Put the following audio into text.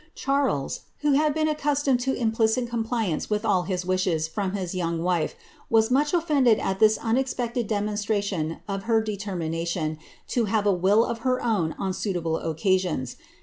^ Charles, who had been accus tomed to implicit compliance with all his wishes from his young wife, was much offended at this unexpected demonstration of her detennioa tion to have a will of her own on suitable occasions.